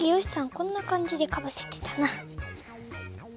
こんな感じでかぶせてたな。